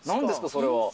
それは。